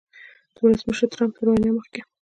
د ولسمشر ټرمپ تر وینا مخکې